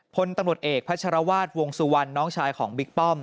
พลตำรวจเอกพัชรวาสวงสุวรรณน้องชายของบิ๊กป้อม